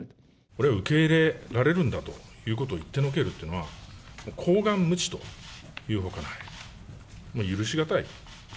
これ、受け入れられるんだということを言ってのけるというのは、厚顔無恥というほかない。